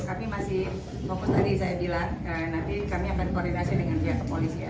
kami masih fokus tadi saya bilang nanti kami akan koordinasi dengan pihak kepolisian